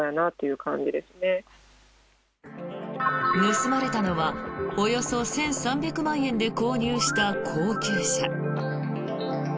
盗まれたのはおよそ１３００万円で購入した高級車。